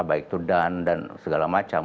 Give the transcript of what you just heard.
baik itu dan dan segala macam